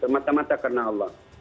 semata mata karena allah